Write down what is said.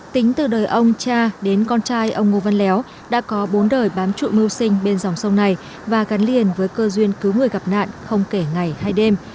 tính từ đời ông cha đến con trai ông ngô văn léo đã có bốn đời bám trụ mưu sinh bên dòng sông này và gắn liền với cơ duyên cứu người gặp nạn không kể ngày hay đêm